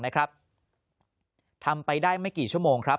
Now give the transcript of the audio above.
ทำไปได้ไม่กี่ชั่วโมงครับ